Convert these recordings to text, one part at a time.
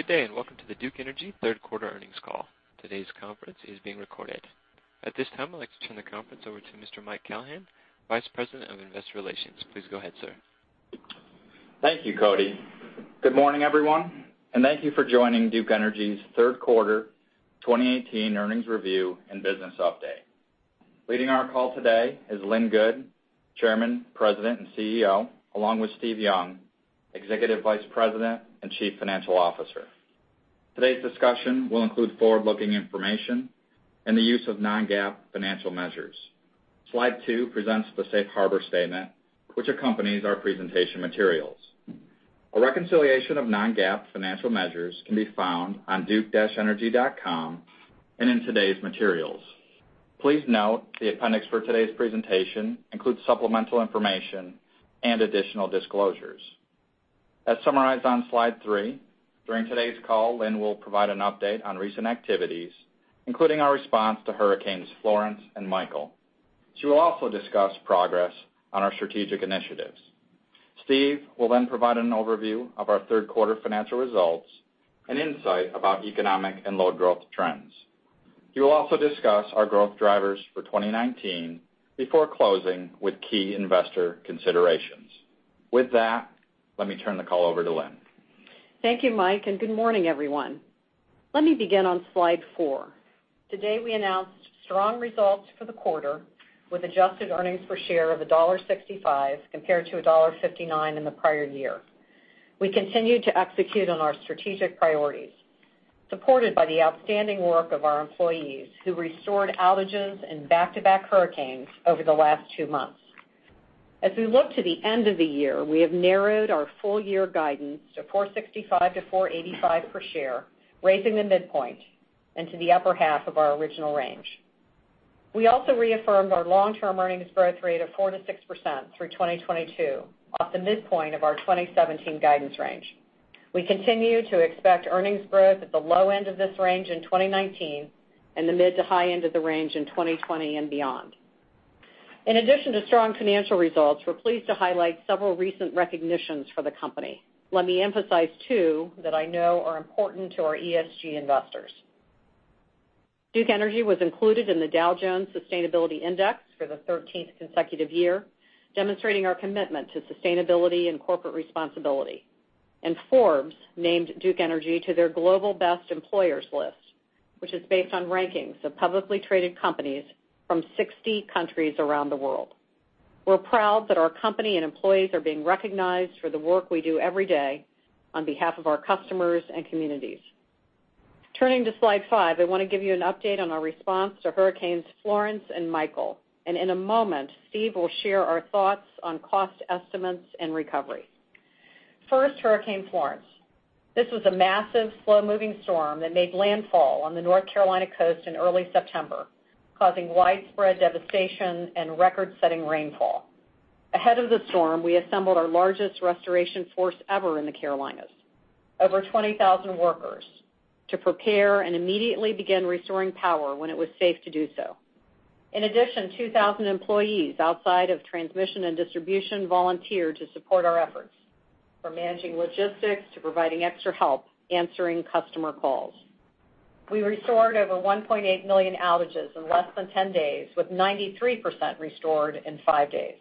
Good day, welcome to the Duke Energy third quarter earnings call. Today's conference is being recorded. At this time, I'd like to turn the conference over to Mr. Mike Callahan, Vice President of Investor Relations. Please go ahead, sir. Thank you, Cody. Good morning, everyone, thank you for joining Duke Energy's third quarter 2018 earnings review and business update. Leading our call today is Lynn Good, Chairman, President, and CEO, along with Steve Young, Executive Vice President and Chief Financial Officer. Today's discussion will include forward-looking information and the use of non-GAAP financial measures. Slide two presents the safe harbor statement, which accompanies our presentation materials. A reconciliation of non-GAAP financial measures can be found on duke-energy.com and in today's materials. Please note the appendix for today's presentation includes supplemental information and additional disclosures. As summarized on slide three, during today's call, Lynn will provide an update on recent activities, including our response to hurricanes Florence and Michael. She will also discuss progress on our strategic initiatives. Steve will provide an overview of our third quarter financial results and insight about economic and load growth trends. He will also discuss our growth drivers for 2019 before closing with key investor considerations. With that, let me turn the call over to Lynn. Thank you, Mike, good morning, everyone. Let me begin on slide four. Today, we announced strong results for the quarter with adjusted earnings per share of $1.65 compared to $1.59 in the prior year. We continue to execute on our strategic priorities, supported by the outstanding work of our employees, who restored outages in back-to-back hurricanes over the last two months. As we look to the end of the year, we have narrowed our full year guidance to $465-$485 per share, raising the midpoint and to the upper half of our original range. We also reaffirmed our long-term earnings growth rate of 4%-6% through 2022, off the midpoint of our 2017 guidance range. We continue to expect earnings growth at the low end of this range in 2019 and the mid to high end of the range in 2020 and beyond. In addition to strong financial results, we're pleased to highlight several recent recognitions for the company. Let me emphasize two that I know are important to our ESG investors. Duke Energy was included in the Dow Jones Sustainability Index for the 13th consecutive year, demonstrating our commitment to sustainability and corporate responsibility. Forbes named Duke Energy to their global best employers list, which is based on rankings of publicly traded companies from 60 countries around the world. We're proud that our company and employees are being recognized for the work we do every day on behalf of our customers and communities. Turning to slide five, I want to give you an update on our response to Hurricane Florence and Hurricane Michael. In a moment, Steve will share our thoughts on cost estimates and recovery. First, Hurricane Florence. This was a massive, slow-moving storm that made landfall on the North Carolina coast in early September, causing widespread devastation and record-setting rainfall. Ahead of the storm, we assembled our largest restoration force ever in the Carolinas, over 20,000 workers, to prepare and immediately begin restoring power when it was safe to do so. In addition, 2,000 employees outside of transmission and distribution volunteered to support our efforts, from managing logistics to providing extra help answering customer calls. We restored over 1.8 million outages in less than 10 days, with 93% restored in five days.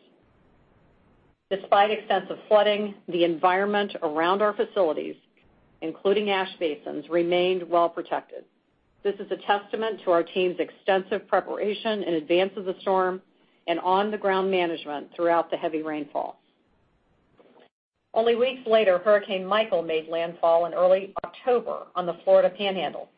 Despite extensive flooding, the environment around our facilities, including ash basins, remained well protected. This is a testament to our team's extensive preparation in advance of the storm and on-the-ground management throughout the heavy rainfall. Only weeks later, Hurricane Michael made landfall in early October on the Florida Panhandle.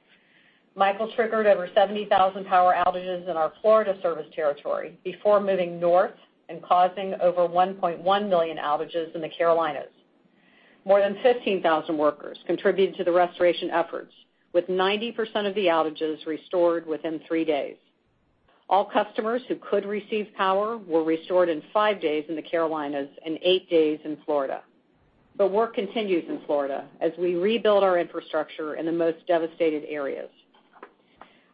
Michael triggered over 70,000 power outages in our Florida service territory before moving north and causing over 1.1 million outages in the Carolinas. More than 15,000 workers contributed to the restoration efforts, with 90% of the outages restored within three days. All customers who could receive power were restored in five days in the Carolinas and eight days in Florida. Work continues in Florida as we rebuild our infrastructure in the most devastated areas.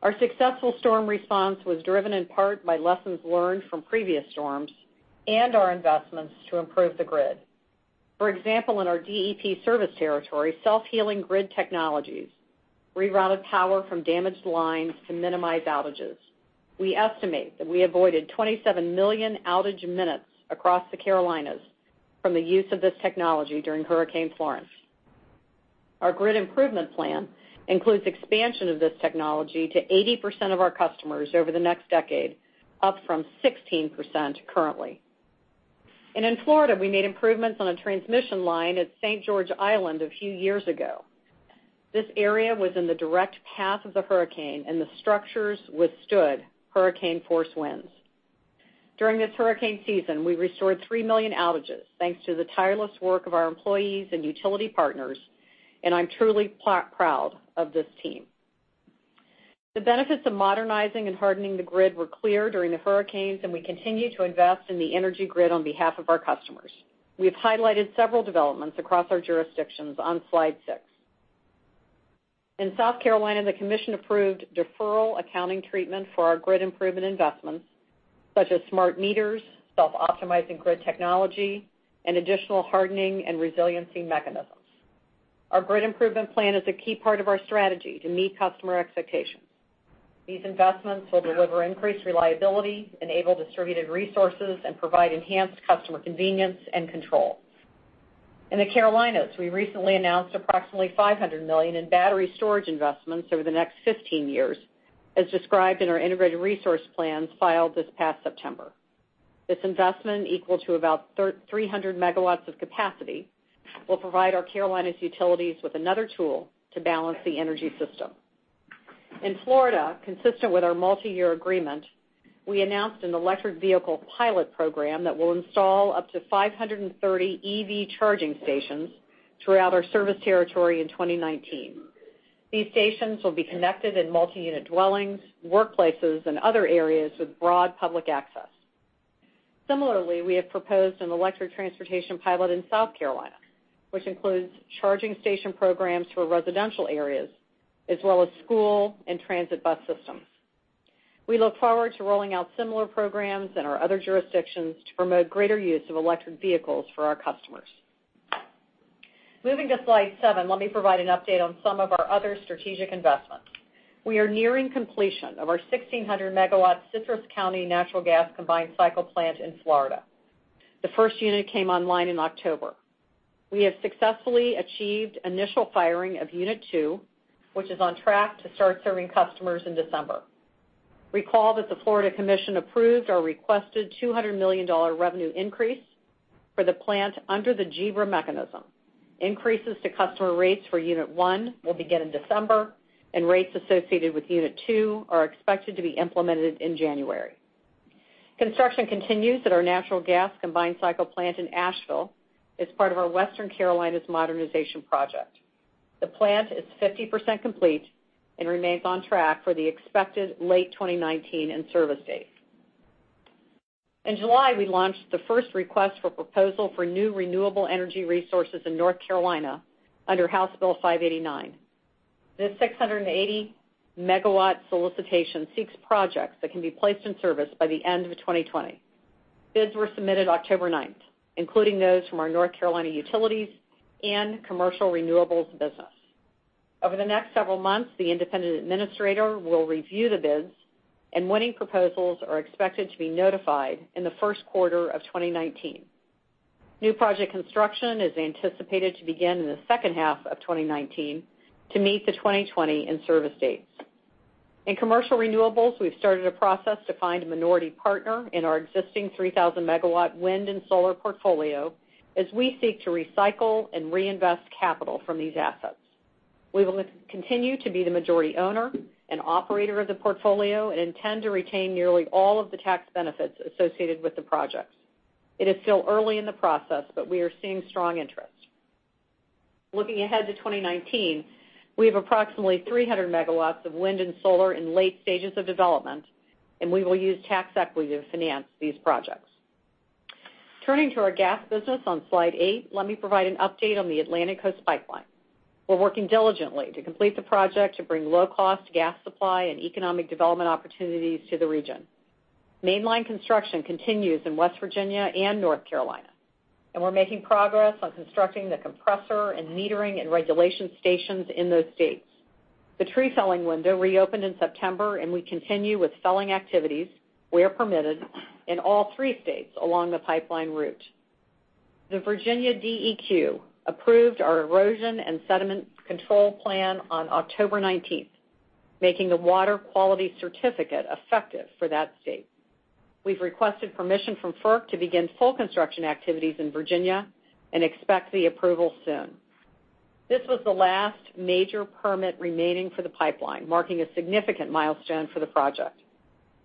Our successful storm response was driven in part by lessons learned from previous storms and our investments to improve the grid. For example, in our DEP service territory, self-healing grid technologies rerouted power from damaged lines to minimize outages. We estimate that we avoided 27 million outage minutes across the Carolinas from the use of this technology during Hurricane Florence. Our grid improvement plan includes expansion of this technology to 80% of our customers over the next decade, up from 16% currently. In Florida, we made improvements on a transmission line at St. George Island a few years ago. This area was in the direct path of the hurricane, and the structures withstood hurricane force winds. During this hurricane season, we restored three million outages, thanks to the tireless work of our employees and utility partners, and I'm truly proud of this team. The benefits of modernizing and hardening the grid were clear during the hurricanes, and we continue to invest in the energy grid on behalf of our customers. We have highlighted several developments across our jurisdictions on slide six. In South Carolina, the commission approved deferral accounting treatment for our grid improvement investments such as smart meters, self-optimizing grid technology, and additional hardening and resiliency mechanisms. Our grid improvement plan is a key part of our strategy to meet customer expectations. These investments will deliver increased reliability, enable distributed resources, and provide enhanced customer convenience and control. In the Carolinas, we recently announced approximately $500 million in battery storage investments over the next 15 years, as described in our integrated resource plans filed this past September. This investment, equal to about 300 megawatts of capacity, will provide our Carolinas utilities with another tool to balance the energy system. In Florida, consistent with our multi-year agreement, we announced an electric vehicle pilot program that will install up to 530 EV charging stations throughout our service territory in 2019. These stations will be connected in multi-unit dwellings, workplaces, and other areas with broad public access. Similarly, we have proposed an electric transportation pilot in South Carolina, which includes charging station programs for residential areas, as well as school and transit bus systems. We look forward to rolling out similar programs in our other jurisdictions to promote greater use of electric vehicles for our customers. Moving to slide seven, let me provide an update on some of our other strategic investments. We are nearing completion of our 1,600-megawatt Citrus County natural gas combined cycle plant in Florida. The first unit came online in October. We have successfully achieved initial firing of unit 2, which is on track to start serving customers in December. Recall that the Florida Commission approved our requested $200 million revenue increase for the plant under the GBRA mechanism. Increases to customer rates for unit 1 will begin in December, and rates associated with unit 2 are expected to be implemented in January. Construction continues at our natural gas combined cycle plant in Asheville as part of our Western Carolinas modernization project. The plant is 50% complete and remains on track for the expected late 2019 in-service date. In July, we launched the first request for proposal for new renewable energy resources in North Carolina under House Bill 589. This 680-megawatt solicitation seeks projects that can be placed in service by the end of 2020. Bids were submitted October 9th, including those from our North Carolina utilities and commercial renewables business. Over the next several months, the independent administrator will review the bids, and winning proposals are expected to be notified in the first quarter of 2019. New project construction is anticipated to begin in the second half of 2019 to meet the 2020 in-service dates. In commercial renewables, we've started a process to find a minority partner in our existing 3,000-megawatt wind and solar portfolio as we seek to recycle and reinvest capital from these assets. We will continue to be the majority owner and operator of the portfolio and intend to retain nearly all of the tax benefits associated with the projects. It is still early in the process, but we are seeing strong interest. Looking ahead to 2019, we have approximately 300 megawatts of wind and solar in late stages of development, and we will use tax equity to finance these projects. Turning to our gas business on slide eight, let me provide an update on the Atlantic Coast Pipeline. We're working diligently to complete the project to bring low-cost gas supply and economic development opportunities to the region. Mainline construction continues in West Virginia and North Carolina, we're making progress on constructing the compressor and metering and regulation stations in those states. The tree felling window reopened in September, we continue with felling activities, where permitted, in all three states along the pipeline route. The Virginia DEQ approved our erosion and sediment control plan on October 19th, making the water quality certificate effective for that state. We've requested permission from FERC to begin full construction activities in Virginia and expect the approval soon. This was the last major permit remaining for the pipeline, marking a significant milestone for the project.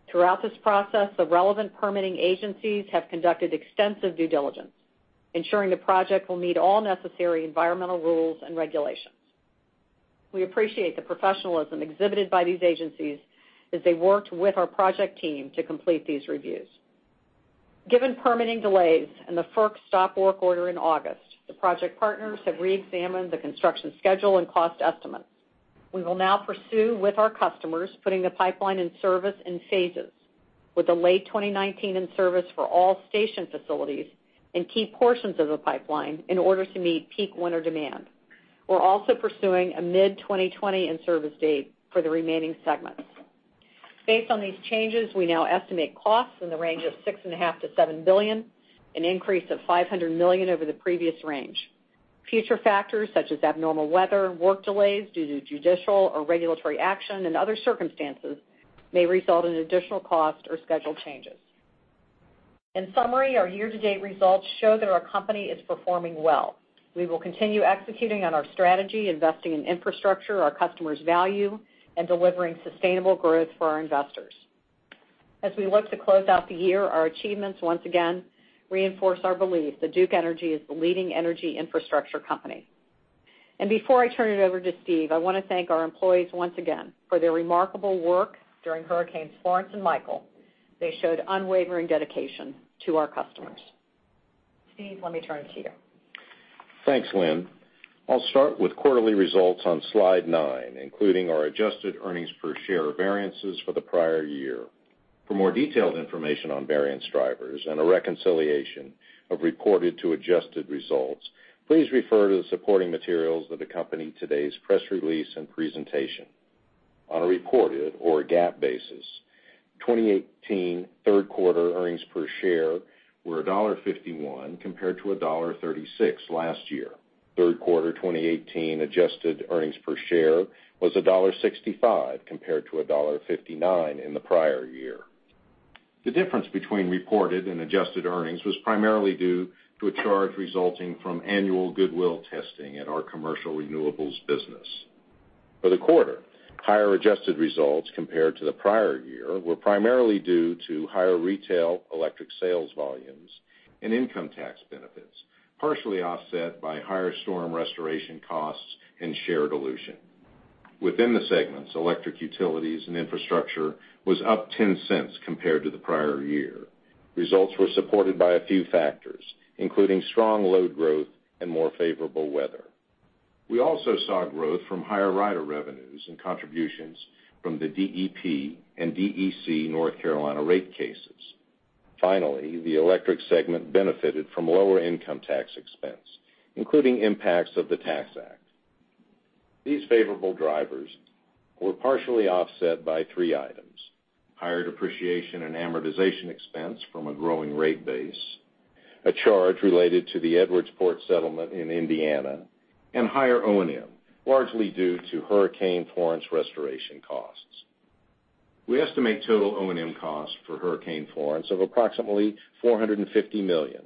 Throughout this process, the relevant permitting agencies have conducted extensive due diligence, ensuring the project will meet all necessary environmental rules and regulations. We appreciate the professionalism exhibited by these agencies as they worked with our project team to complete these reviews. Given permitting delays and the FERC stop work order in August, the project partners have reexamined the construction schedule and cost estimates. We will now pursue with our customers putting the pipeline in service in phases, with a late 2019 in-service for all station facilities and key portions of the pipeline in order to meet peak winter demand. We're also pursuing a mid-2020 in-service date for the remaining segments. Based on these changes, we now estimate costs in the range of $6.5 billion-$7 billion, an increase of $500 million over the previous range. Future factors such as abnormal weather, work delays due to judicial or regulatory action, and other circumstances may result in additional cost or schedule changes. In summary, our year-to-date results show that our company is performing well. We will continue executing on our strategy, investing in infrastructure our customers value, and delivering sustainable growth for our investors. As we look to close out the year, our achievements once again reinforce our belief that Duke Energy is the leading energy infrastructure company. Before I turn it over to Steve, I want to thank our employees once again for their remarkable work during Hurricane Florence and Hurricane Michael. They showed unwavering dedication to our customers. Steve, let me turn it to you. Thanks, Lynn. I'll start with quarterly results on slide nine, including our adjusted earnings per share variances for the prior year. For more detailed information on variance drivers and a reconciliation of reported to adjusted results, please refer to the supporting materials that accompany today's press release and presentation. On a reported or GAAP basis, 2018 third quarter earnings per share were $1.51 compared to $1.36 last year. Third quarter 2018 adjusted earnings per share was $1.65 compared to $1.59 in the prior year. The difference between reported and adjusted earnings was primarily due to a charge resulting from annual goodwill testing at our commercial renewables business. For the quarter, higher adjusted results compared to the prior year were primarily due to higher retail electric sales volumes and income tax benefits, partially offset by higher storm restoration costs and share dilution. Within the segments, electric utilities and infrastructure was up $0.10 compared to the prior year. Results were supported by a few factors, including strong load growth and more favorable weather. We also saw growth from higher rider revenues and contributions from the DEP and DEC North Carolina rate cases. Finally, the electric segment benefited from lower income tax expense, including impacts of the Tax Act. These favorable drivers were partially offset by three items: higher depreciation and amortization expense from a growing rate base, a charge related to the Edwardsport settlement in Indiana, and higher O&M, largely due to Hurricane Florence restoration costs. We estimate total O&M costs for Hurricane Florence of approximately $450 million,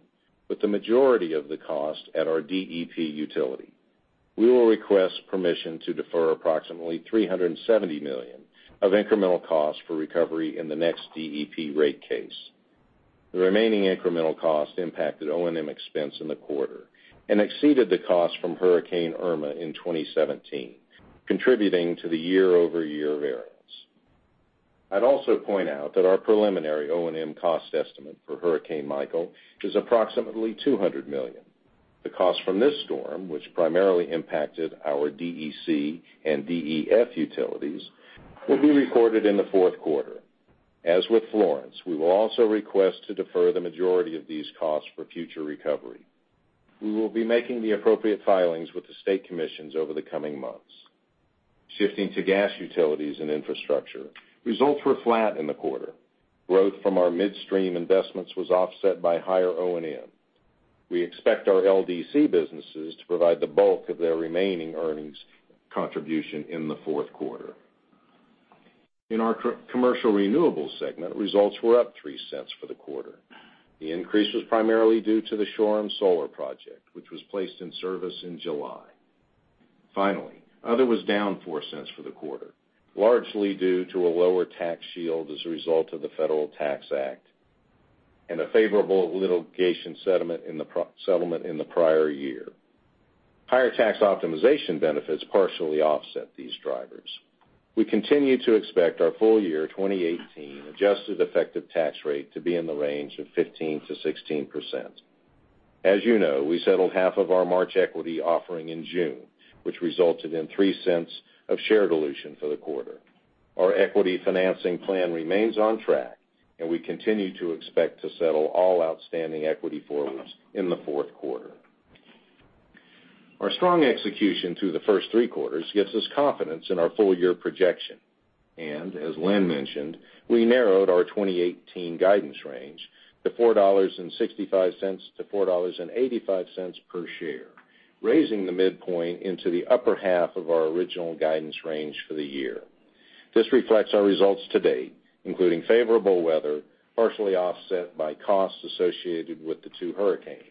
with the majority of the cost at our DEP utility. We will request permission to defer approximately $370 million of incremental costs for recovery in the next DEP rate case. The remaining incremental cost impacted O&M expense in the quarter and exceeded the cost from Hurricane Irma in 2017, contributing to the year-over-year variance. I'd also point out that our preliminary O&M cost estimate for Hurricane Michael is approximately $200 million. The cost from this storm, which primarily impacted our DEC and DEF utilities, will be recorded in the fourth quarter. As with Florence, we will also request to defer the majority of these costs for future recovery. We will be making the appropriate filings with the state commissions over the coming months. Shifting to gas utilities and infrastructure, results were flat in the quarter. Growth from our midstream investments was offset by higher O&M. We expect our LDC businesses to provide the bulk of their remaining earnings contribution in the fourth quarter. In our commercial renewables segment, results were up $0.03 for the quarter. The increase was primarily due to the Shoreham Solar project, which was placed in service in July. Finally, other was down $0.04 for the quarter, largely due to a lower tax shield as a result of the Federal Tax Act and a favorable litigation settlement in the prior year. Higher tax optimization benefits partially offset these drivers. We continue to expect our full year 2018 adjusted effective tax rate to be in the range of 15%-16%. As you know, we settled half of our March equity offering in June, which resulted in $0.03 of share dilution for the quarter. Our equity financing plan remains on track, and we continue to expect to settle all outstanding equity forwards in the fourth quarter. Our strong execution through the first three quarters gives us confidence in our full year projection. As Lynn mentioned, we narrowed our 2018 guidance range to $4.65-$4.85 per share, raising the midpoint into the upper half of our original guidance range for the year. This reflects our results to date, including favorable weather, partially offset by costs associated with the two hurricanes.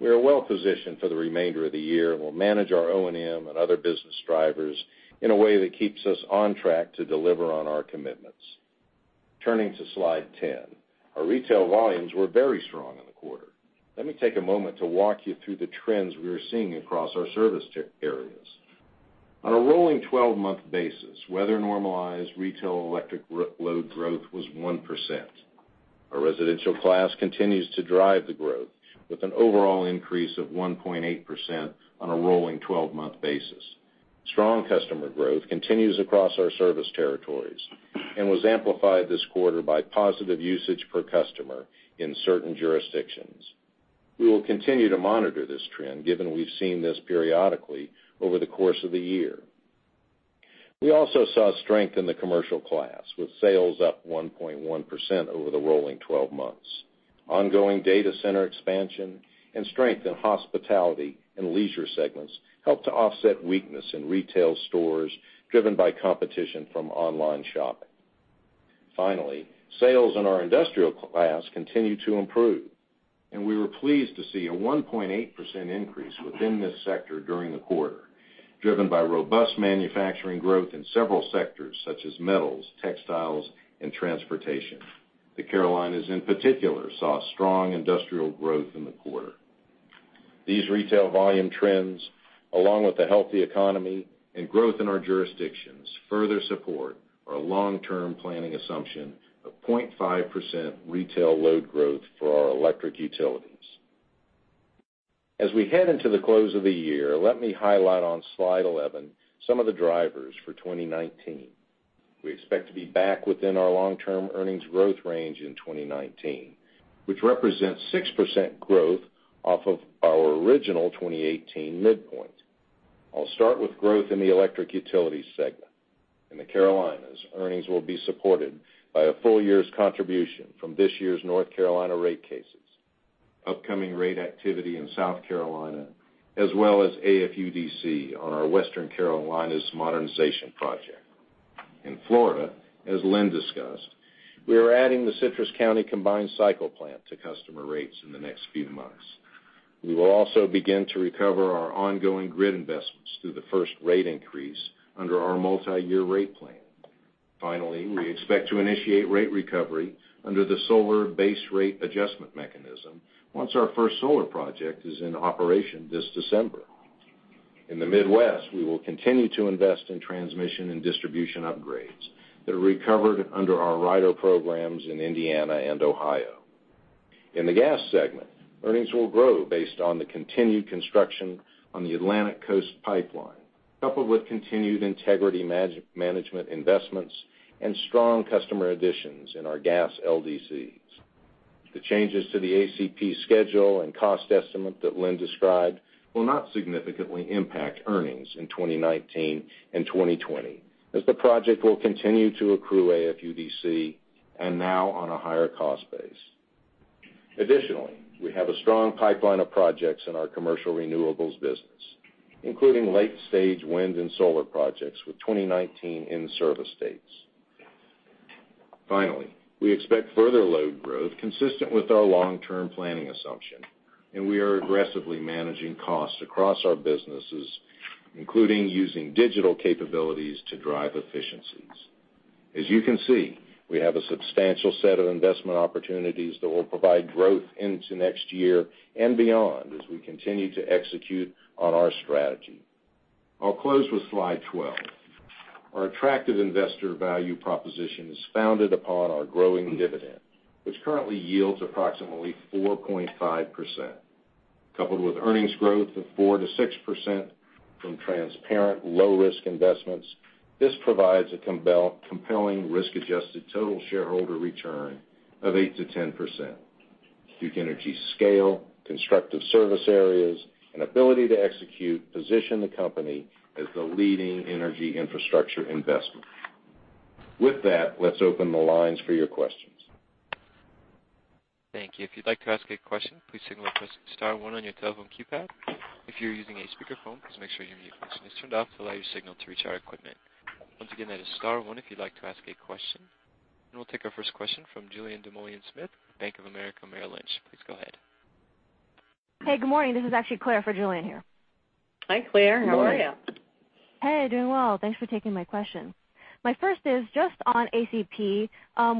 We are well positioned for the remainder of the year and will manage our O&M and other business drivers in a way that keeps us on track to deliver on our commitments. Turning to slide 10. Our retail volumes were very strong in the quarter. Let me take a moment to walk you through the trends we are seeing across our service areas. On a rolling 12-month basis, weather-normalized retail electric load growth was 1%. Our residential class continues to drive the growth with an overall increase of 1.8% on a rolling 12-month basis. Strong customer growth continues across our service territories and was amplified this quarter by positive usage per customer in certain jurisdictions. We will continue to monitor this trend, given we've seen this periodically over the course of the year. We also saw strength in the commercial class, with sales up 1.1% over the rolling 12 months. Ongoing data center expansion and strength in hospitality and leisure segments helped to offset weakness in retail stores driven by competition from online shopping. Finally, sales in our industrial class continue to improve, and we were pleased to see a 1.8% increase within this sector during the quarter, driven by robust manufacturing growth in several sectors such as metals, textiles, and transportation. The Carolinas in particular saw strong industrial growth in the quarter. These retail volume trends, along with a healthy economy and growth in our jurisdictions, further support our long-term planning assumption of 0.5% retail load growth for our electric utilities. As we head into the close of the year, let me highlight on slide 11 some of the drivers for 2019. We expect to be back within our long-term earnings growth range in 2019, which represents 6% growth off of our original 2018 midpoint. I'll start with growth in the electric utility segment. In the Carolinas, earnings will be supported by a full year's contribution from this year's North Carolina rate cases, upcoming rate activity in South Carolina, as well as AFUDC on our Western Carolinas modernization project. In Florida, as Lynn discussed, we are adding the Citrus County combined cycle plant to customer rates in the next few months. We will also begin to recover our ongoing grid investments through the first rate increase under our multi-year rate plan. Finally, we expect to initiate rate recovery under the solar base rate adjustment mechanism once our first solar project is in operation this December. In the Midwest, we will continue to invest in transmission and distribution upgrades that are recovered under our rider programs in Indiana and Ohio. In the gas segment, earnings will grow based on the continued construction on the Atlantic Coast Pipeline, coupled with continued integrity management investments and strong customer additions in our gas LDCs. The changes to the ACP schedule and cost estimate that Lynn described will not significantly impact earnings in 2019 and 2020, as the project will continue to accrue AFUDC and now on a higher cost base. Additionally, we have a strong pipeline of projects in our commercial renewables business, including late-stage wind and solar projects with 2019 in-service dates. Finally, we expect further load growth consistent with our long-term planning assumption, and we are aggressively managing costs across our businesses, including using digital capabilities to drive efficiencies. As you can see, we have a substantial set of investment opportunities that will provide growth into next year and beyond as we continue to execute on our strategy. I'll close with slide 12. Our attractive investor value proposition is founded upon our growing dividend, which currently yields approximately 4.5%. Coupled with earnings growth of 4%-6% from transparent low-risk investments, this provides a compelling risk-adjusted total shareholder return of 8%-10%. Duke Energy's scale, constructive service areas, and ability to execute position the company as the leading energy infrastructure investment. With that, let's open the lines for your questions. Thank you. If you'd like to ask a question, please signal or press *1 on your telephone keypad. If you're using a speakerphone, please make sure your mute button is turned off to allow your signal to reach our equipment. Once again, that is *1 if you'd like to ask a question. We'll take our first question from Julien Dumoulin-Smith, Bank of America, Merrill Lynch. Please go ahead. Hey, good morning. This is actually Claire for Julien here. Hi, Claire. How are you? Hey, doing well. Thanks for taking my question. My first is just on ACP.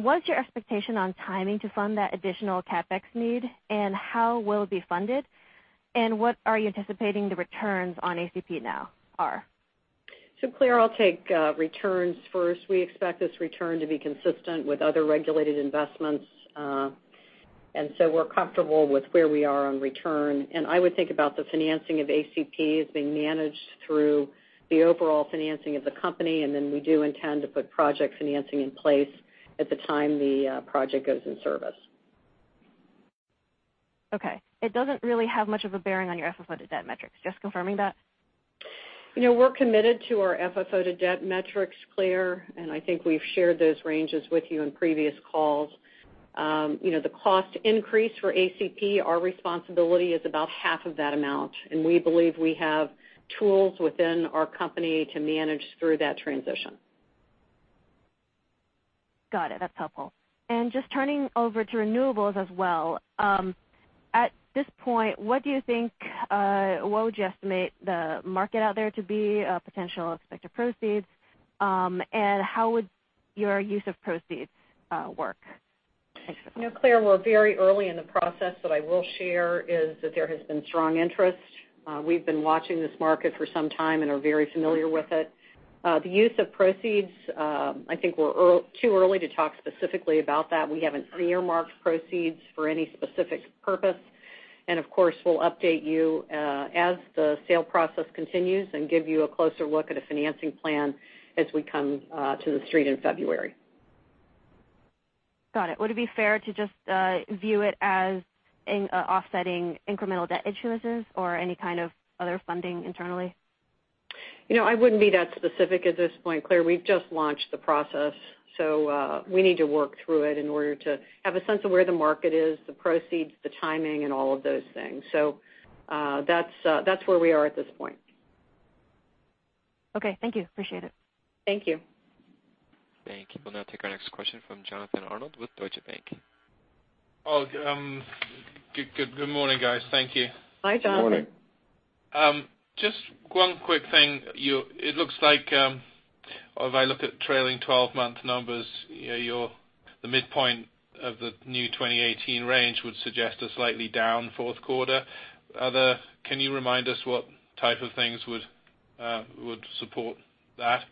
What's your expectation on timing to fund that additional CapEx need, and how will it be funded? What are you anticipating the returns on ACP now are? Claire, I'll take returns first. We expect this return to be consistent with other regulated investments. We're comfortable with where we are on return. I would think about the financing of ACP as being managed through the overall financing of the company, and then we do intend to put project financing in place at the time the project goes in service. Okay. It doesn't really have much of a bearing on your FFO to debt metrics, just confirming that? We're committed to our FFO to debt metrics, Claire, and I think we've shared those ranges with you in previous calls. The cost increase for ACP, our responsibility is about half of that amount, and we believe we have tools within our company to manage through that transition. Got it. That's helpful. Just turning over to renewables as well. At this point, what would you estimate the market out there to be, potential expected proceeds? How would your use of proceeds work? Thanks for that. Claire, we're very early in the process, I will share is that there has been strong interest. We've been watching this market for some time and are very familiar with it. The use of proceeds, I think we're too early to talk specifically about that. We haven't earmarked proceeds for any specific purpose. Of course, we'll update you as the sale process continues and give you a closer look at a financing plan as we come to the street in February. Got it. Would it be fair to just view it as offsetting incremental debt issuances or any kind of other funding internally? I wouldn't be that specific at this point, Claire. We've just launched the process, we need to work through it in order to have a sense of where the market is, the proceeds, the timing, and all of those things. That's where we are at this point. Okay. Thank you. Appreciate it. Thank you. Thank you. We'll now take our next question from Jonathan Arnold with Deutsche Bank. Good morning, guys. Thank you. Hi, Jonathan. Just one quick thing. It looks like If I look at trailing 12-month numbers, the midpoint of the new 2018 range would suggest a slightly down fourth quarter. Can you remind us what type of things would support that?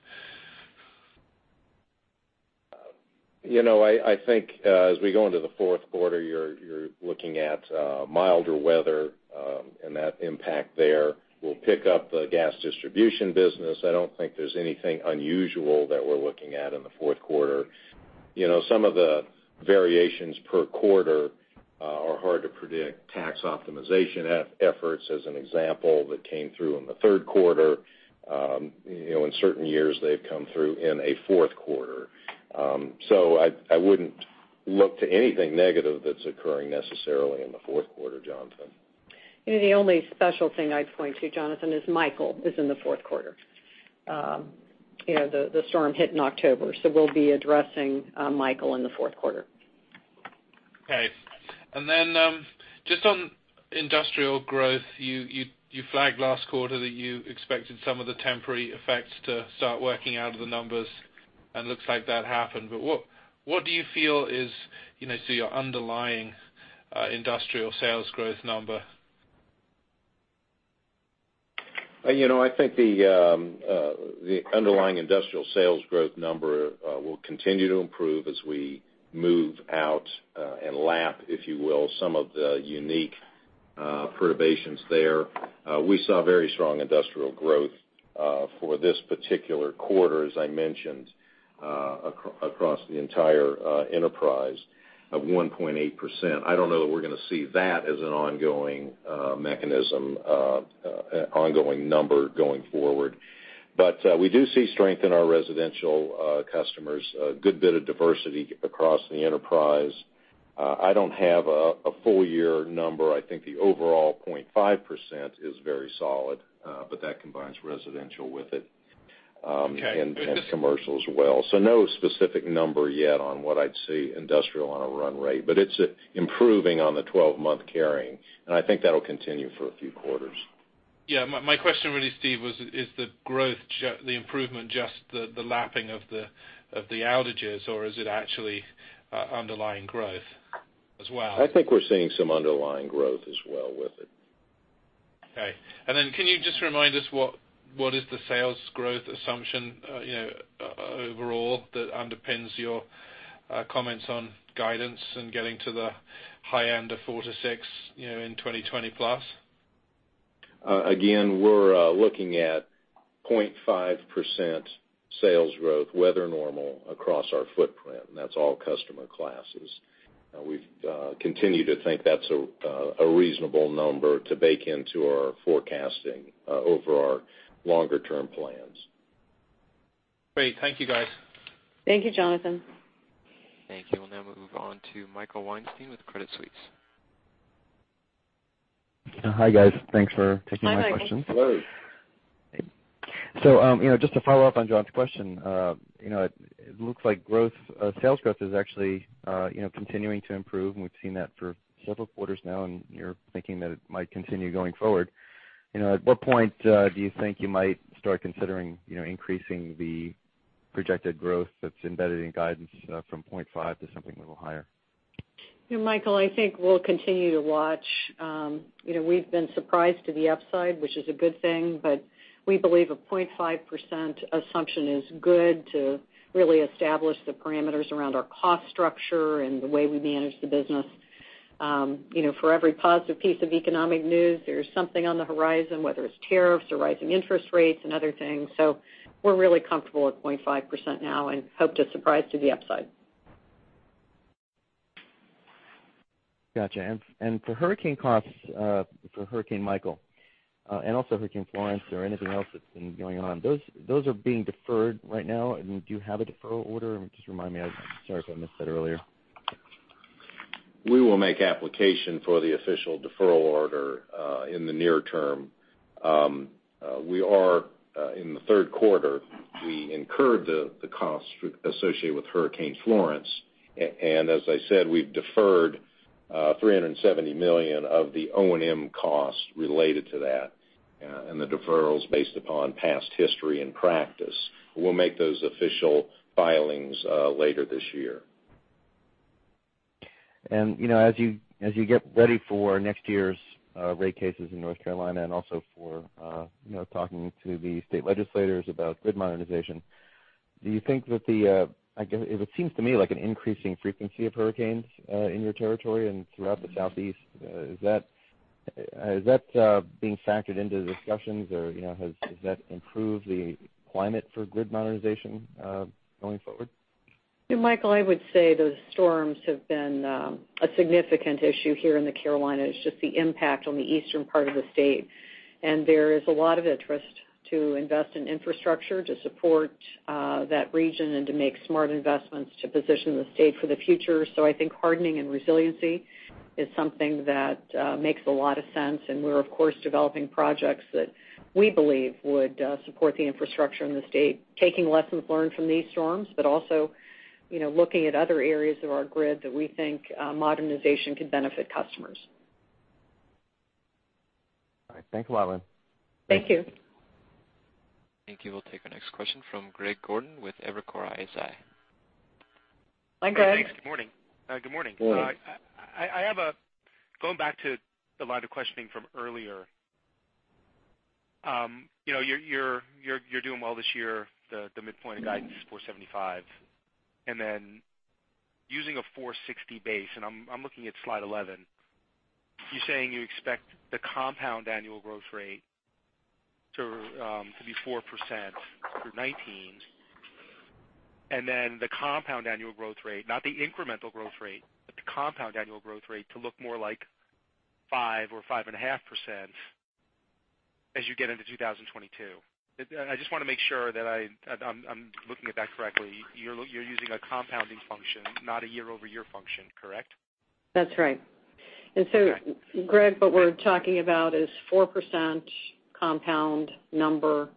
I think as we go into the fourth quarter, you're looking at milder weather, and that impact there will pick up the gas distribution business. I don't think there's anything unusual that we're looking at in the fourth quarter. Some of the variations per quarter are hard to predict. Tax optimization efforts, as an example, that came through in the third quarter. In certain years, they've come through in a fourth quarter. I wouldn't look to anything negative that's occurring necessarily in the fourth quarter, Jonathan. The only special thing I'd point to, Jonathan, is Michael is in the fourth quarter. The storm hit in October, we'll be addressing Michael in the fourth quarter. Okay. Just on industrial growth, you flagged last quarter that you expected some of the temporary effects to start working out of the numbers, and looks like that happened. What do you feel is your underlying industrial sales growth number? I think the underlying industrial sales growth number will continue to improve as we move out and lap, if you will, some of the unique perturbations there. We saw very strong industrial growth for this particular quarter, as I mentioned, across the entire enterprise of 1.8%. I don't know that we're going to see that as an ongoing mechanism, ongoing number going forward. We do see strength in our residential customers. A good bit of diversity across the enterprise. I don't have a full year number. I think the overall 0.5% is very solid, but that combines residential with it- Okay. Commercial as well. No specific number yet on what I'd see industrial on a run rate, but it's improving on the 12-month carrying, and I think that'll continue for a few quarters. Yeah. My question really, Steve, was is the growth, the improvement, just the lapping of the outages, or is it actually underlying growth as well? I think we're seeing some underlying growth as well with it. Okay. Can you just remind us what is the sales growth assumption overall that underpins your comments on guidance and getting to the high end of 4%-6% in 2020 plus? Again, we're looking at 0.5% sales growth, weather normal, across our footprint. That's all customer classes. We've continued to think that's a reasonable number to bake into our forecasting over our longer-term plans. Great. Thank you guys. Thank you, Jonathan. Thank you. We'll now move on to Michael Weinstein with Credit Suisse. Hi, guys. Thanks for taking my questions. Hi, Michael. Hello. Just to follow up on Jon's question. It looks like sales growth is actually continuing to improve, and we've seen that for several quarters now, and you're thinking that it might continue going forward. At what point do you think you might start considering increasing the projected growth that's embedded in guidance from 0.5% to something a little higher? Michael, I think we'll continue to watch. We've been surprised to the upside, which is a good thing, but we believe a 0.5% assumption is good to really establish the parameters around our cost structure and the way we manage the business. For every positive piece of economic news, there's something on the horizon, whether it's tariffs or rising interest rates and other things. We're really comfortable at 0.5% now and hope to surprise to the upside. Got you. For hurricane costs for Hurricane Michael, and also Hurricane Florence or anything else that's been going on, those are being deferred right now. Do you have a deferral order? Just remind me. I'm sorry if I missed that earlier. We will make application for the official deferral order in the near term. We are in the third quarter. We incurred the cost associated with Hurricane Florence, and as I said, we've deferred $370 million of the O&M costs related to that, and the deferral is based upon past history and practice. We'll make those official filings later this year. As you get ready for next year's rate cases in North Carolina and also for talking to the state legislators about grid modernization, do you think that It seems to me like an increasing frequency of hurricanes in your territory and throughout the Southeast. Is that being factored into the discussions, or has that improved the climate for grid modernization going forward? Michael, I would say those storms have been a significant issue here in the Carolinas, just the impact on the eastern part of the state. There is a lot of interest to invest in infrastructure to support that region and to make smart investments to position the state for the future. I think hardening and resiliency is something that makes a lot of sense, and we're of course developing projects that we believe would support the infrastructure in the state, taking lessons learned from these storms, but also looking at other areas of our grid that we think modernization could benefit customers. Thanks a lot, Lynn. Thank you. Thank you. We'll take our next question from Greg Gordon with Evercore ISI. Hi, Greg. Thanks. Good morning. Good morning. Going back to the line of questioning from earlier. You're doing well this year. The midpoint of guidance is $4.75. Using a $4.60 base, and I'm looking at slide 11, you're saying you expect the compound annual growth rate to be 4% through 2019. The compound annual growth rate, not the incremental growth rate, but the compound annual growth rate to look more like 5% or 5.5% as you get into 2022. I just want to make sure that I'm looking at that correctly. You're using a compounding function, not a year-over-year function, correct? That's right. Okay. Greg, what we're talking about is 4% compound number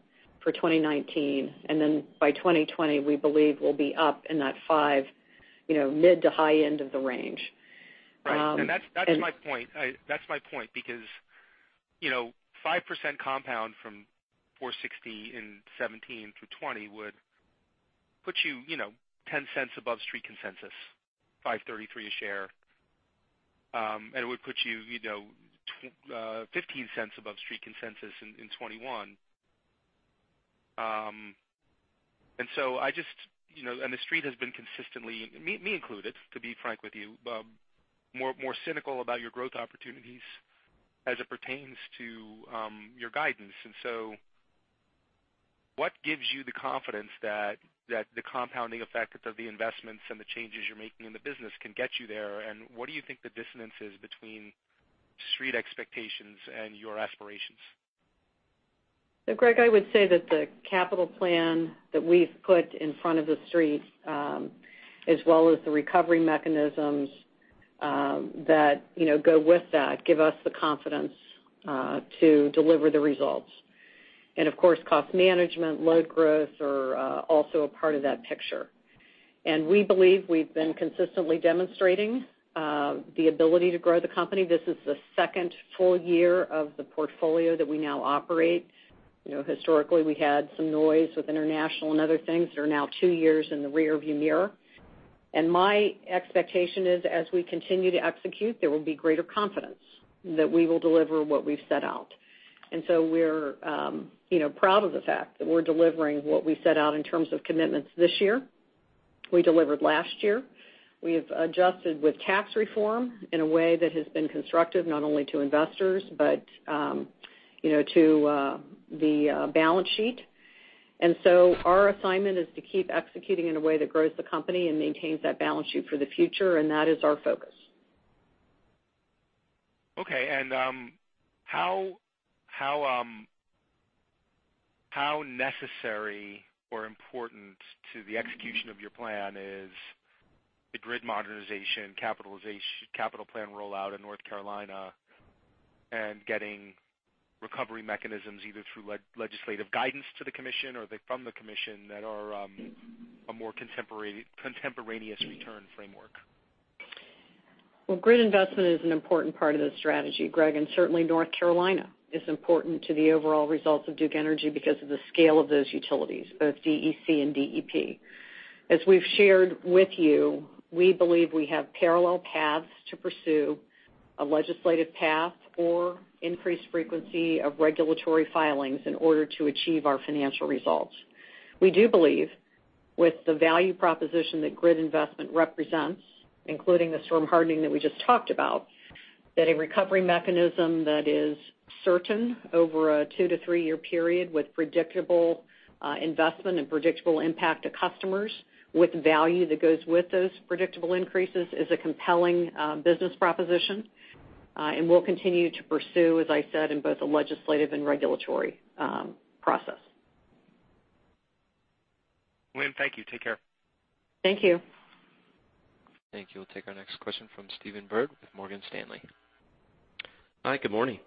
for 2019, and then by 2020, we believe we'll be up in that 5%, mid to high end of the range. That's my point, because 5% compound from $4.60 in 2017 through 2020 would put you $0.10 above street consensus, $5.33 a share. It would put you $0.15 above street consensus in 2021. The street has been consistently, me included, to be frank with you, more cynical about your growth opportunities as it pertains to your guidance. What gives you the confidence that the compounding effect of the investments and the changes you're making in the business can get you there, and what do you think the dissonance is between street expectations and your aspirations? Greg, I would say that the capital plan that we've put in front of the street, as well as the recovery mechanisms that go with that, give us the confidence to deliver the results. Of course, cost management, load growth are also a part of that picture. We believe we've been consistently demonstrating the ability to grow the company. This is the second full year of the portfolio that we now operate. Historically, we had some noise with international and other things that are now two years in the rearview mirror. My expectation is as we continue to execute, there will be greater confidence that we will deliver what we've set out. We're proud of the fact that we're delivering what we set out in terms of commitments this year. We delivered last year. We've adjusted with Tax Reform in a way that has been constructive, not only to investors, but to the balance sheet. Our assignment is to keep executing in a way that grows the company and maintains that balance sheet for the future, and that is our focus. Okay. How necessary or important to the execution of your plan is the grid modernization capital plan rollout in North Carolina and getting recovery mechanisms either through legislative guidance to the commission or from the commission that are a more contemporaneous return framework? Well, grid investment is an important part of the strategy, Greg, certainly North Carolina is important to the overall results of Duke Energy because of the scale of those utilities, both DEC and DEP. As we've shared with you, we believe we have parallel paths to pursue a legislative path or increased frequency of regulatory filings in order to achieve our financial results. We do believe with the value proposition that grid investment represents, including the storm hardening that we just talked about, that a recovery mechanism that is certain over a two- to three-year period with predictable investment and predictable impact to customers with value that goes with those predictable increases is a compelling business proposition. We'll continue to pursue, as I said, in both a legislative and regulatory process. Lynn, thank you. Take care. Thank you. Thank you. We'll take our next question from Stephen Byrd with Morgan Stanley. Hi, good morning.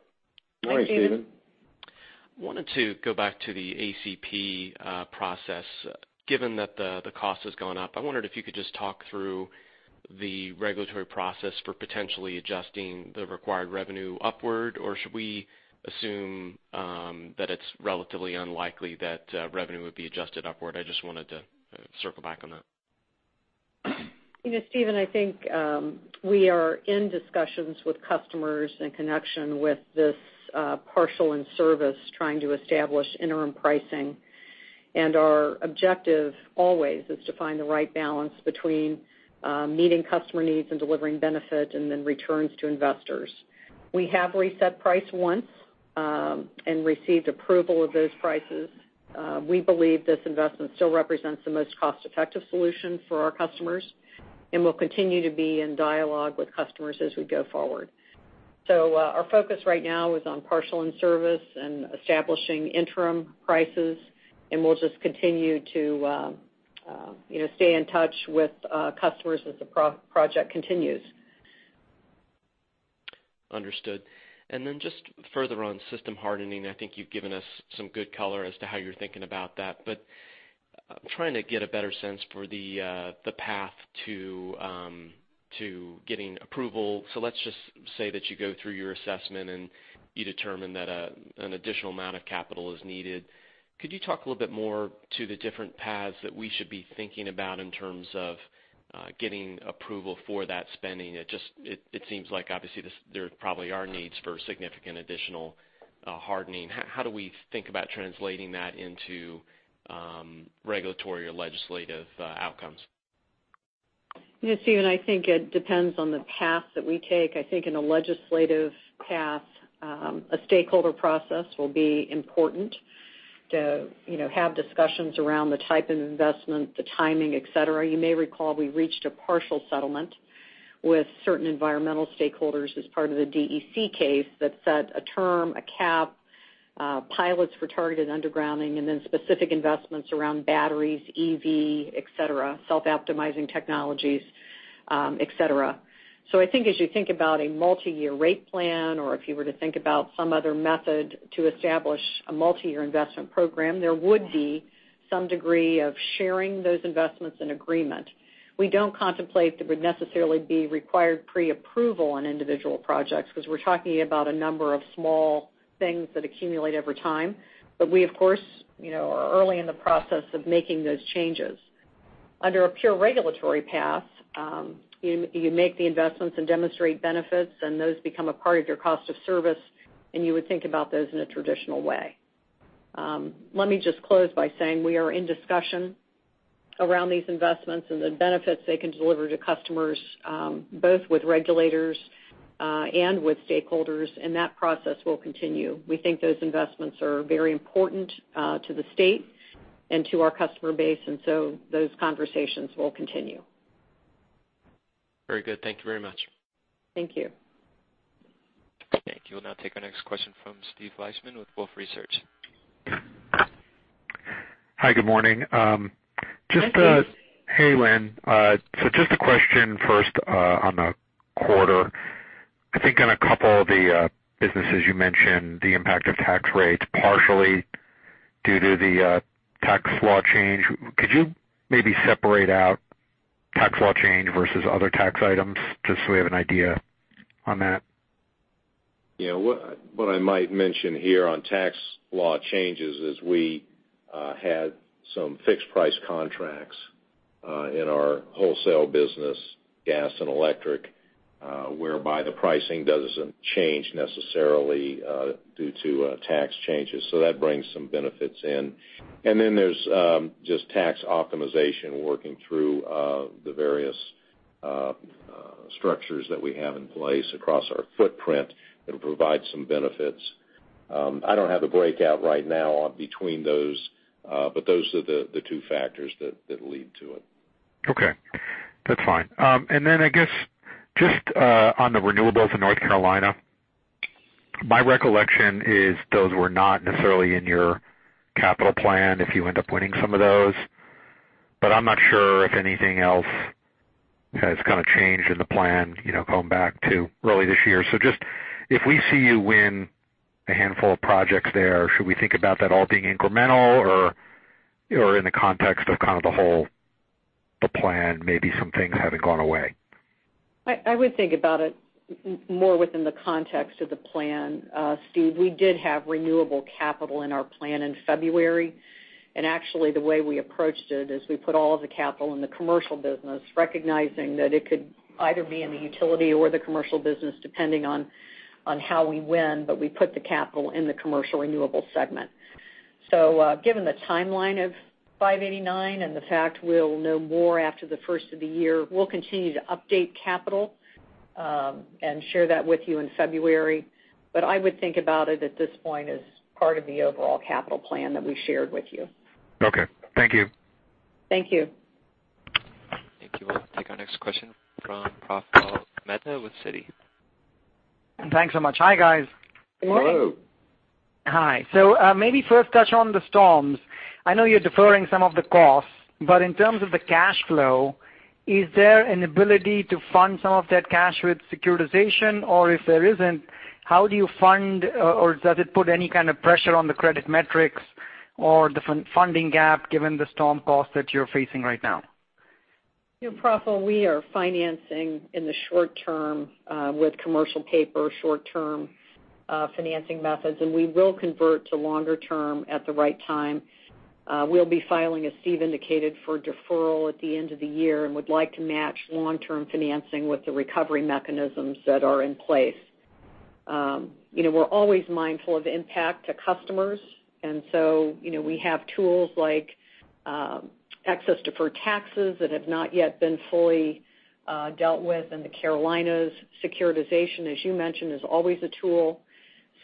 Hi, Stephen. Wanted to go back to the ACP process. Given that the cost has gone up, I wondered if you could just talk through the regulatory process for potentially adjusting the required revenue upward, or should we assume that it's relatively unlikely that revenue would be adjusted upward? I just wanted to circle back on that. Stephen, I think we are in discussions with customers in connection with this partial in service trying to establish interim pricing. Our objective always is to find the right balance between meeting customer needs and delivering benefit and then returns to investors. We have reset price once, received approval of those prices. We believe this investment still represents the most cost-effective solution for our customers, and we'll continue to be in dialogue with customers as we go forward. Our focus right now is on partial in service and establishing interim prices, and we'll just continue to stay in touch with customers as the project continues. Just further on system hardening, I think you've given us some good color as to how you're thinking about that, but I'm trying to get a better sense for the path to getting approval. Let's just say that you go through your assessment and you determine that an additional amount of capital is needed. Could you talk a little bit more to the different paths that we should be thinking about in terms of getting approval for that spending? It seems like obviously there probably are needs for significant additional hardening. How do we think about translating that into regulatory or legislative outcomes? Yeah, Stephen, I think it depends on the path that we take. I think in a legislative path, a stakeholder process will be important to have discussions around the type of investment, the timing, et cetera. You may recall we reached a partial settlement with certain environmental stakeholders as part of the DEC case that set a term, a cap, pilots for targeted undergrounding, and then specific investments around batteries, EV, et cetera, self-optimizing technologies, et cetera. I think as you think about a multi-year rate plan, or if you were to think about some other method to establish a multi-year investment program, there would be some degree of sharing those investments in agreement. We don't contemplate there would necessarily be required pre-approval on individual projects because we're talking about a number of small things that accumulate over time. We, of course, are early in the process of making those changes. Under a pure regulatory path, you make the investments and demonstrate benefits, and those become a part of your cost of service, and you would think about those in a traditional way. Let me just close by saying we are in discussion around these investments and the benefits they can deliver to customers, both with regulators and with stakeholders, and that process will continue. Those conversations will continue. Very good. Thank you very much. Thank you. Thank you. We'll now take our next question from Steve Fleishman with Wolfe Research. Hi, good morning. Hi, Steve. Hey, Lynn. Just a question first on the quarter. I think in a couple of the businesses you mentioned the impact of tax rates partially due to the tax law change. Could you maybe separate out tax law change versus other tax items, just so we have an idea on that? Yeah. What I might mention here on tax law changes is we had some fixed price contracts in our wholesale business, gas and electric, whereby the pricing doesn't change necessarily due to tax changes. That brings some benefits in. There's just tax optimization working through the various structures that we have in place across our footprint that'll provide some benefits. I don't have the breakout right now between those are the two factors that lead to it. Okay, that's fine. I guess just on the renewables in North Carolina, my recollection is those were not necessarily in your capital plan if you end up winning some of those. I'm not sure if anything else has kind of changed in the plan going back to early this year. Just if we see you win a handful of projects there, should we think about that all being incremental or in the context of kind of the whole plan, maybe some things having gone away? I would think about it more within the context of the plan, Steve. We did have renewable capital in our plan in February, the way we approached it is we put all of the capital in the commercial business, recognizing that it could either be in the utility or the commercial business, depending on how we win, we put the capital in the commercial renewable segment. Given the timeline of 589 and the fact we'll know more after the first of the year, we'll continue to update capital and share that with you in February. I would think about it at this point as part of the overall capital plan that we shared with you. Okay. Thank you. Thank you. Thank you. We'll take our next question from Praful Mehta with Citi. Thanks so much. Hi, guys. Morning. Hello. Hi. Maybe first touch on the storms. I know you're deferring some of the costs, but in terms of the cash flow, is there an ability to fund some of that cash with securitization? If there isn't, how do you fund, or does it put any kind of pressure on the credit metrics or the funding gap given the storm costs that you're facing right now? Praful, we are financing in the short term with commercial paper short-term financing methods, we will convert to longer term at the right time. We'll be filing, as Steve indicated, for deferral at the end of the year, would like to match long-term financing with the recovery mechanisms that are in place. We're always mindful of impact to customers, we have tools like excess deferred taxes that have not yet been fully dealt with in the Carolinas. Securitization, as you mentioned, is always a tool.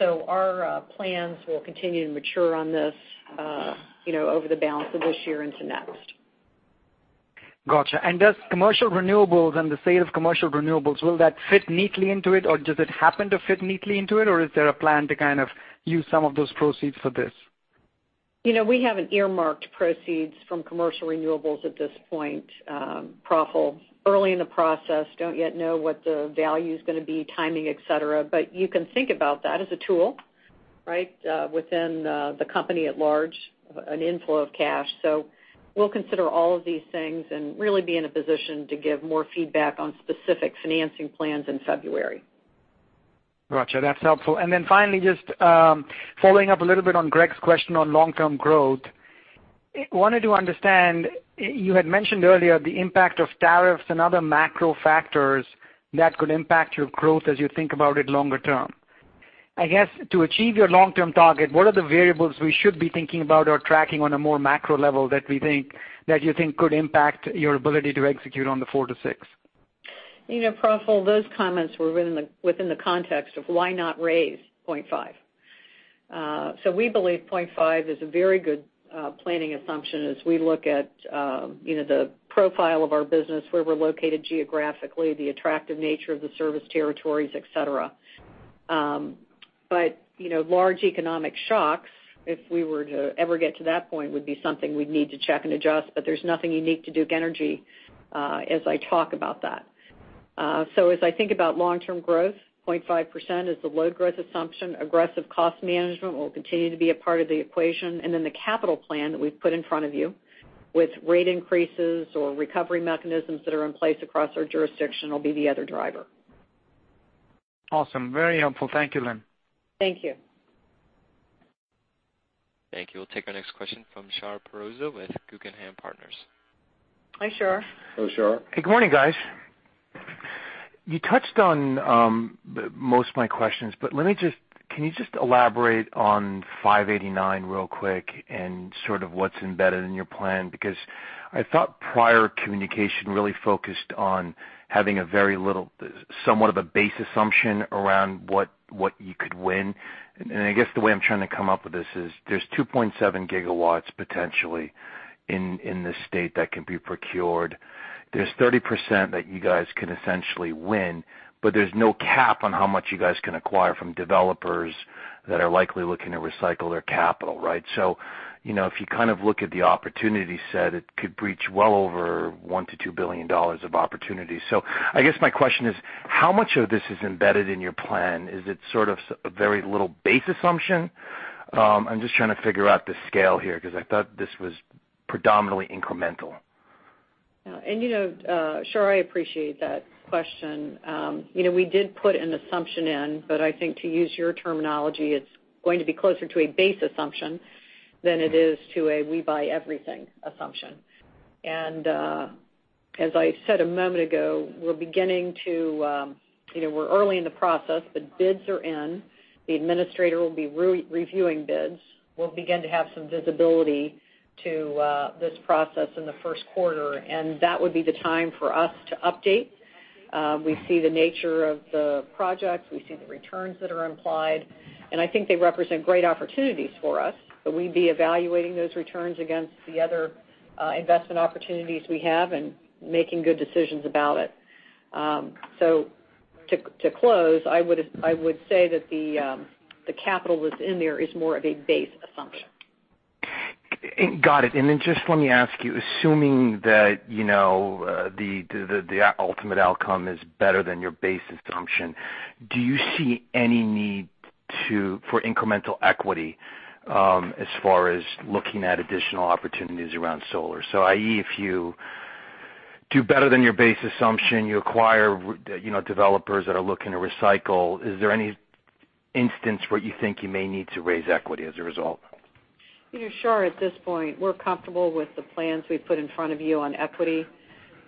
Our plans will continue to mature on this over the balance of this year into next. Got you. Does commercial renewables and the sale of commercial renewables, will that fit neatly into it, or does it happen to fit neatly into it, or is there a plan to kind of use some of those proceeds for this? We haven't earmarked proceeds from commercial renewables at this point, Praful. Early in the process, don't yet know what the value's going to be, timing, et cetera, but you can think about that as a tool. Right within the company at large, an inflow of cash. We'll consider all of these things and really be in a position to give more feedback on specific financing plans in February. Got you. That's helpful. Finally, just following up a little bit on Greg's question on long-term growth. Wanted to understand, you had mentioned earlier the impact of tariffs and other macro factors that could impact your growth as you think about it longer term. I guess to achieve your long-term target, what are the variables we should be thinking about or tracking on a more macro level that you think could impact your ability to execute on the 4%-6%? Praful, those comments were within the context of why not raise 0.5%. We believe 0.5% is a very good planning assumption as we look at the profile of our business, where we're located geographically, the attractive nature of the service territories, et cetera. Large economic shocks, if we were to ever get to that point, would be something we'd need to check and adjust, but there's nothing unique to Duke Energy as I talk about that. As I think about long-term growth, 0.5% is the load growth assumption. Aggressive cost management will continue to be a part of the equation, the capital plan that we've put in front of you with rate increases or recovery mechanisms that are in place across our jurisdiction will be the other driver. Awesome. Very helpful. Thank you, Lynn. Thank you. Thank you. We'll take our next question from Shar Pourreza with Guggenheim Partners. Hi, Shar. Hello, Shar. Good morning, guys. You touched on most of my questions, but can you just elaborate on 589 real quick and sort of what's embedded in your plan? I thought prior communication really focused on having a very little, somewhat of a base assumption around what you could win. I guess the way I'm trying to come up with this is there's 2.7 gigawatts potentially in this state that can be procured. There's 30% that you guys can essentially win, but there's no cap on how much you guys can acquire from developers that are likely looking to recycle their capital, right? If you kind of look at the opportunity set, it could breach well over $1 billion-$2 billion of opportunity. I guess my question is, how much of this is embedded in your plan? Is it sort of a very little base assumption? I'm just trying to figure out the scale here because I thought this was predominantly incremental. Shar, I appreciate that question. We did put an assumption in, I think to use your terminology, it's going to be closer to a base assumption than it is to a we-buy-everything assumption. As I said a moment ago, we're early in the process, bids are in. The administrator will be reviewing bids. We'll begin to have some visibility to this process in the first quarter, that would be the time for us to update. We see the nature of the projects, we see the returns that are implied, I think they represent great opportunities for us. We'd be evaluating those returns against the other investment opportunities we have and making good decisions about it. To close, I would say that the capital that's in there is more of a base assumption. Got it. Just let me ask you, assuming that the ultimate outcome is better than your base assumption, do you see any need for incremental equity as far as looking at additional opportunities around solar? I.e., if you do better than your base assumption, you acquire developers that are looking to recycle, is there any instance where you think you may need to raise equity as a result? Shar, at this point, we're comfortable with the plans we've put in front of you on equity.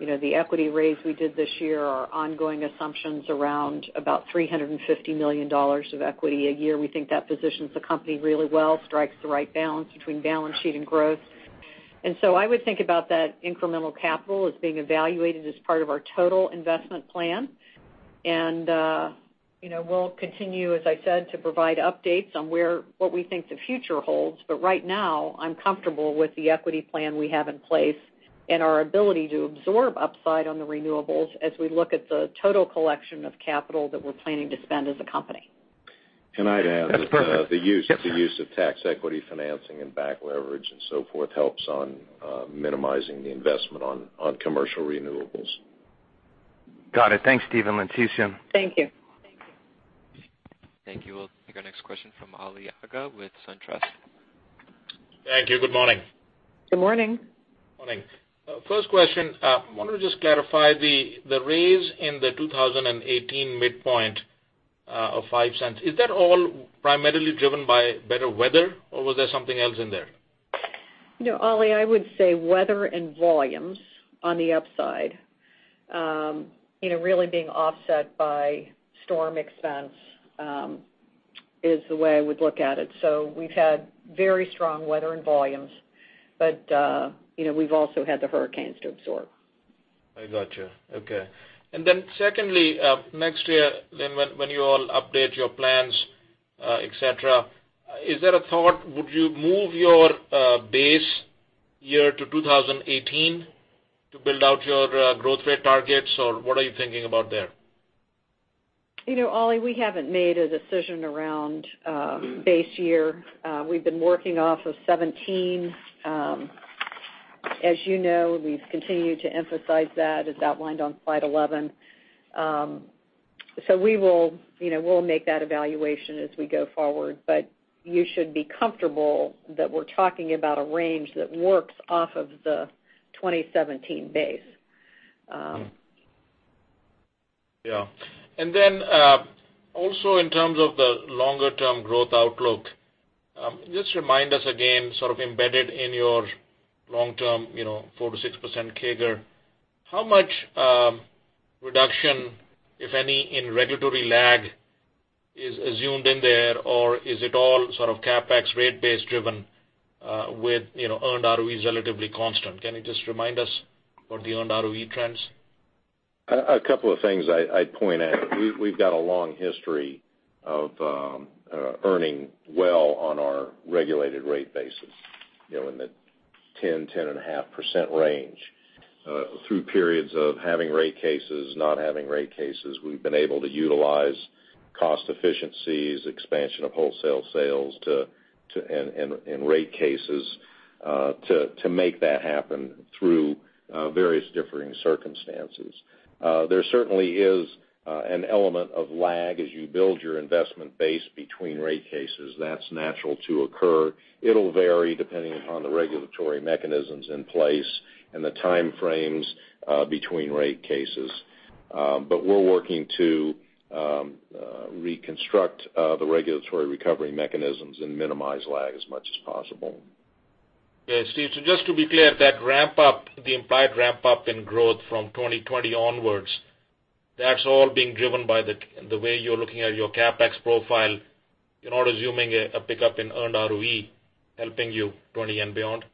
The equity raise we did this year are ongoing assumptions around about $350 million of equity a year. We think that positions the company really well, strikes the right balance between balance sheet and growth. I would think about that incremental capital as being evaluated as part of our total investment plan. We'll continue, as I said, to provide updates on what we think the future holds. Right now, I'm comfortable with the equity plan we have in place and our ability to absorb upside on the renewables as we look at the total collection of capital that we're planning to spend as a company. Can I That's perfect. Yes, sir The use of tax equity financing and back leverage and so forth helps on minimizing the investment on commercial renewables. Got it. Thanks, Steve and Lynn. Too soon. Thank you. Thank you. We'll take our next question from Ali Agha with SunTrust. Thank you. Good morning. Good morning. Morning. First question, wanted to just clarify the raise in the 2018 midpoint of $0.05. Is that all primarily driven by better weather, or was there something else in there? Ali, I would say weather and volumes on the upside really being offset by storm expense, is the way I would look at it. We've had very strong weather and volumes, but we've also had the hurricanes to absorb. I got you. Okay. Secondly, next year, Lynn, when you all update your plans, et cetera, is there a thought, would you move your base year to 2018 to build out your growth rate targets, or what are you thinking about there? Ali, we haven't made a decision around base year. We've been working off of 2017. As you know, we've continued to emphasize that as outlined on slide 11. We'll make that evaluation as we go forward. You should be comfortable that we're talking about a range that works off of the 2017 base. Yeah. Also in terms of the longer-term growth outlook, just remind us again, sort of embedded in your long-term, 4%-6% CAGR, how much reduction, if any, in regulatory lag is assumed in there? Or is it all sort of CapEx rate base driven with earned ROEs relatively constant? Can you just remind us of the earned ROE trends? A couple of things I'd point out. We've got a long history of earning well on our regulated rate basis, in the 10%-10.5% range. Through periods of having rate cases, not having rate cases, we've been able to utilize cost efficiencies, expansion of wholesale sales, and rate cases to make that happen through various differing circumstances. There certainly is an element of lag as you build your investment base between rate cases. That's natural to occur. It'll vary depending upon the regulatory mechanisms in place and the time frames between rate cases. We're working to reconstruct the regulatory recovery mechanisms and minimize lag as much as possible. Yeah, Steve, just to be clear, that ramp up, the implied ramp up in growth from 2020 onwards, that's all being driven by the way you're looking at your CapEx profile. You're not assuming a pickup in earned ROE helping you 2020 and beyond?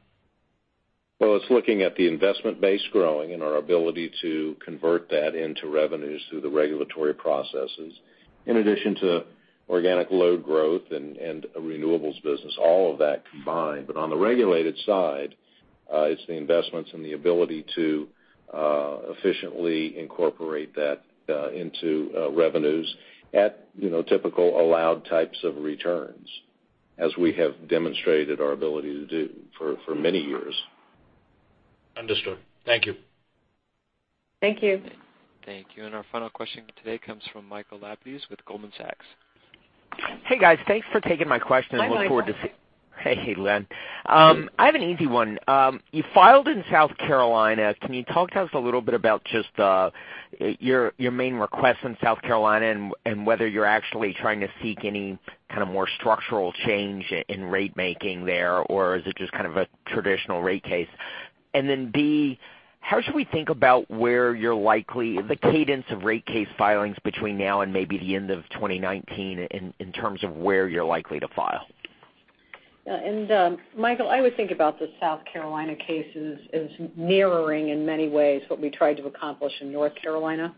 Well, it's looking at the investment base growing and our ability to convert that into revenues through the regulatory processes, in addition to organic load growth and a renewables business, all of that combined. On the regulated side, it's the investments and the ability to efficiently incorporate that into revenues at typical allowed types of returns, as we have demonstrated our ability to do for many years. Understood. Thank you. Thank you. Thank you. Our final question today comes from Michael Lapides with Goldman Sachs. Hey, guys. Thanks for taking my question. Hi, Michael. Hey, Lynn. I have an easy one. You filed in South Carolina. Can you talk to us a little bit about just your main request in South Carolina and whether you're actually trying to seek any kind of more structural change in ratemaking there, or is it just kind of a traditional rate case? B, how should we think about where you're likely the cadence of rate case filings between now and maybe the end of 2019 in terms of where you're likely to file? Michael, I would think about the South Carolina case as mirroring in many ways what we tried to accomplish in North Carolina.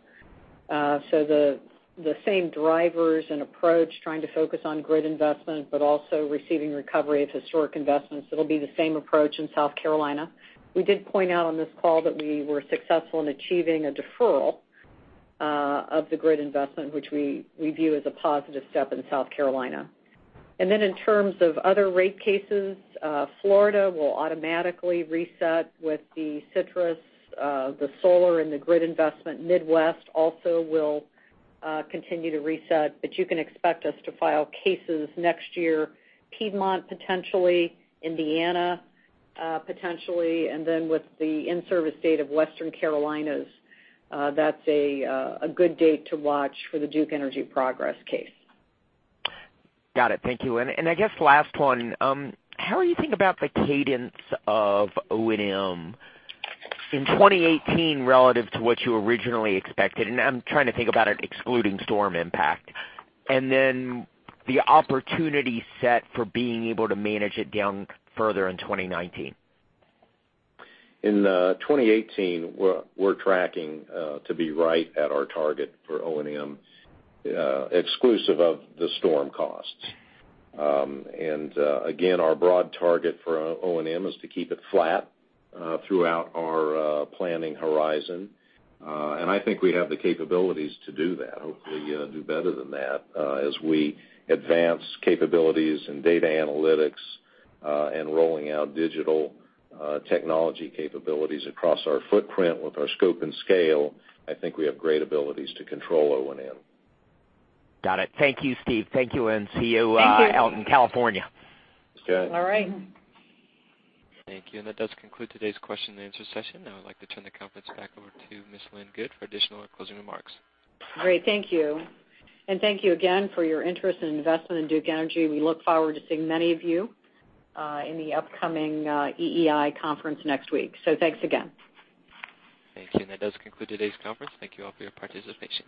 The same drivers and approach, trying to focus on grid investment, but also receiving recovery of historic investments. It'll be the same approach in South Carolina. We did point out on this call that we were successful in achieving a deferral of the grid investment, which we view as a positive step in South Carolina. In terms of other rate cases, Florida will automatically reset with the Citrus, the solar, and the grid investment. Midwest also will continue to reset. You can expect us to file cases next year. Piedmont, potentially, Indiana, potentially, and with the in-service date of Western Carolinas, that's a good date to watch for the Duke Energy Progress case. Got it. Thank you. I guess last one, how are you thinking about the cadence of O&M in 2018 relative to what you originally expected? I'm trying to think about it excluding storm impact. The opportunity set for being able to manage it down further in 2019. In 2018, we're tracking to be right at our target for O&M, exclusive of the storm costs. Again, our broad target for O&M is to keep it flat throughout our planning horizon. I think we have the capabilities to do that, hopefully do better than that as we advance capabilities and data analytics, and rolling out digital technology capabilities across our footprint with our scope and scale. I think we have great abilities to control O&M. Got it. Thank you, Steve. Thank you, Lynn. See you. Thank you Out in California. Okay. All right. Thank you. That does conclude today's question and answer session. Now I'd like to turn the conference back over to Ms. Lynn Good for additional or closing remarks. Great. Thank you. Thank you again for your interest and investment in Duke Energy. We look forward to seeing many of you in the upcoming EEI conference next week. Thanks again. Thank you. That does conclude today's conference. Thank you all for your participation.